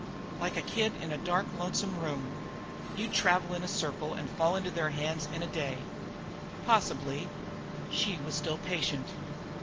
"Like a kid in a dark, lonesome room. You'd travel in a circle and fall into their hands in a day." "Possibly." She was still patient.